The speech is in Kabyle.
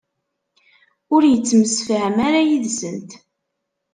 Ur yettemsefham ara yid-sent?